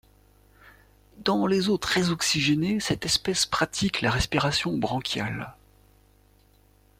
Dans les eaux très oxygénées, cette espèce pratique la respiration branchiale.